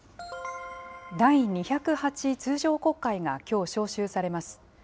第２０８通常国会がきょう召集されます。